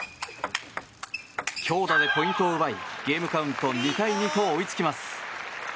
強打でポイントを奪いゲームカウント２対２と追いつきます。